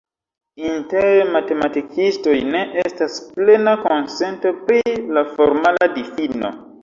Inter matematikistoj ne estas plena konsento pri la formala difino.